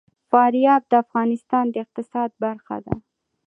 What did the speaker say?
فاریاب د افغانستان د اقتصاد برخه ده.